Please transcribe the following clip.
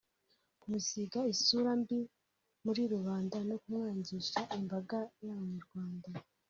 kumusiga isura mbi muri rubanda no kumwangisha imbaga y’abanyarwanda